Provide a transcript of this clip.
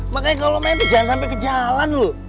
makanya kalau main itu jangan sampai ke jalan loh